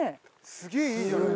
すげえいいじゃない。